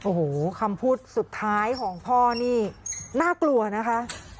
โอ้โหคำพูดสุดท้ายของพ่อนี่น่ากลัวนะคะ